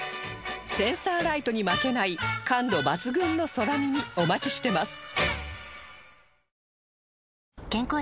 センサーライトに負けない感度抜群の空耳お待ちしてます